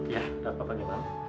ya pak giman